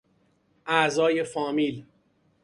اعضای فامیل